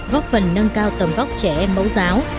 góp phần nâng cao tầm vóc trẻ em mẫu giáo